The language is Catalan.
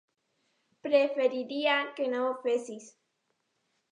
Preferiria que no ho fessis.